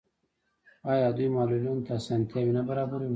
آیا دوی معلولینو ته اسانتیاوې نه برابروي؟